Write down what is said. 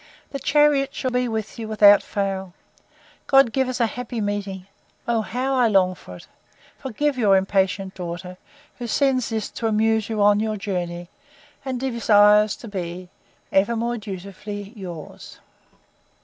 The chariot shall be with you without fail. God give us a happy meeting! O how I long for it! Forgive your impatient daughter, who sends this to amuse you on your journey; and desires to be Ever most dutifully yours.